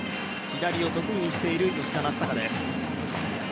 左を得意にしている吉田正尚です。